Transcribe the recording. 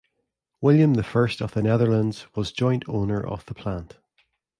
William the First of the Netherlands was joint owner of the plant.